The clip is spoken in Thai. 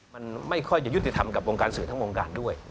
มันไม่ค่อยจะยุติธรรมกับวงการสื่อทั้งวงการด้วย